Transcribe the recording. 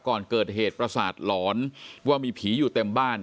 ก่อนเกิดเหตุประสาทหลอนว่ามีผีอยู่เต็มบ้าน